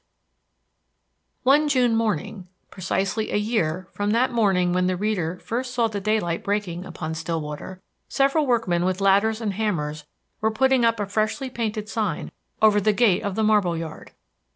XXVIII One June Morning, precisely a year from that morning when the reader first saw the daylight breaking upon Stillwater, several workmen with ladders and hammers were putting up a freshly painted sign over the gate of the marble yard.